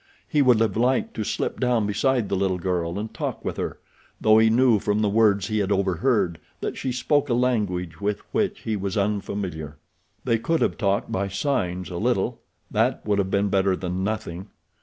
He would have liked to slip down beside the little girl and talk with her, though he knew from the words he had overheard that she spoke a language with which he was unfamiliar. They could have talked by signs a little. That would have been better than nothing.